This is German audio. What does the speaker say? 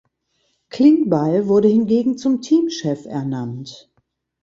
Klingbeil wurde hingegen zum Teamchef ernannt.